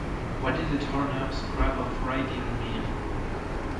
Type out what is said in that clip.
What did the torn-up scrap of writing mean?